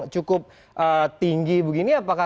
cukup tinggi begini apakah